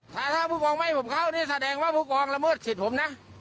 ถ้าถ้าผู้กองไม่ให้ผมเข้านี่แสดงว่าผู้กองละเมิดสิทธิ์ผมนะ